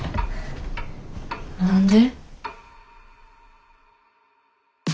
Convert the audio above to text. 何で？